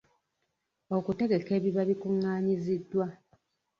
Okutegeka ebiba bikungaanyiziddwa.